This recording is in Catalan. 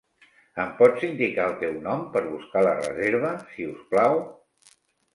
Em pots indicar el teu nom per buscar la reserva, si us plau?